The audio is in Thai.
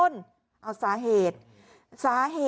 อ้อฟ้าอ้อฟ้าอ้อฟ้า